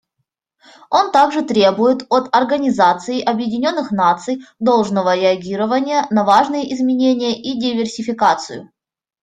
Он также требует от Организации Объединенных Наций должного реагирования на важные изменения и диверсификацию.